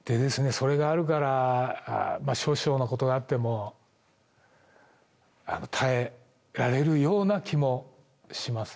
それがあるから、少々のことがあっても、耐えられるような気もします。